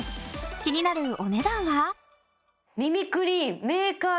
気になるお値段は？